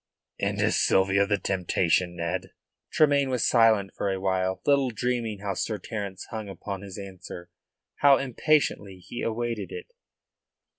"And is Sylvia the temptation, Ned?" Tremayne was silent for a while, little dreaming how Sir Terence hung upon his answer, how impatiently he awaited it.